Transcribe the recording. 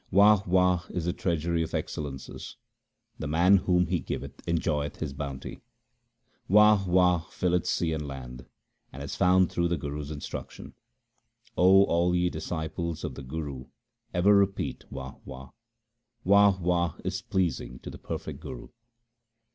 Wah ! Wah ! is the Treasury of excellences ; the man to whom He giveth enjoyeth His bounty. Wah ! Wah ! filleth sea and land, and is found through the Guru's instruction. O all ye disciples of the Guru, ever repeat Wah ! Wah !; Wah ! Wah ! is pleasing to the perfect Guru.